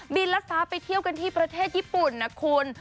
ลัดฟ้าไปเที่ยวกันที่ประเทศญี่ปุ่นนะคุณ